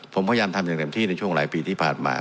ผมพยายามทำอย่างเต็มที่ในช่วงหลายปีที่ผ่านมา